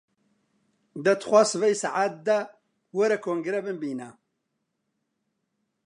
دە توخوا سبەی سەعات دە، وەرە کۆنگرە بمبینە!